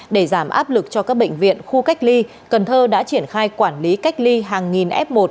để giảm áp lực cho các bệnh viện khu cách ly cần thơ đã triển khai quản lý cách ly hàng nghìn f một